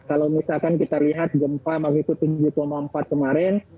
kalau misalkan kita lihat gempa magnitut tujuh empat kemarin